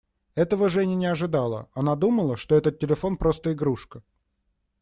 Этого Женя не ожидала; она думала, что этот телефон просто игрушка.